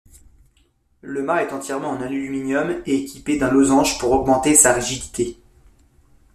Le mât est entièrement en aluminium et équipé d'un losange pour augmenter sa rigidité.